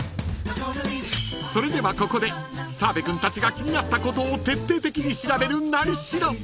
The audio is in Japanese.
［それではここで澤部君たちが気になったことを徹底的に調べる「なり調」］